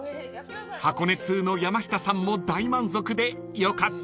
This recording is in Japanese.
［箱根通の山下さんも大満足でよかったです］